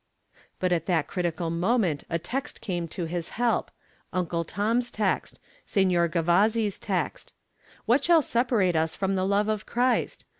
But at that critical moment a text came to his help Uncle Tom's text, Signor Gavazzi's text. '_What shall separate us from the love of Christ?